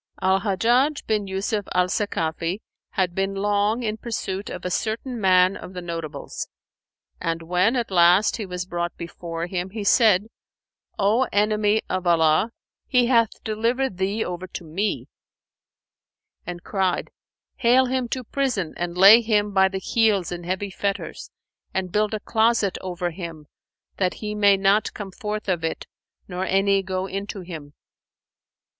Al Hajjaj bin Yusuf al Sakafi had been long in pursuit of a certain man of the notables, and when at last he was brought before him, he said, "O enemy of Allah, He hath delivered thee over to me;" and cried, "Hale him to prison and lay him by the heels in heavy fetters and build a closet over him, that he may not come forth of it nor any go into him."